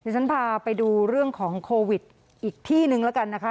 ฉันพาไปดูเรื่องของโควิดอีกที่นึงแล้วกันนะคะ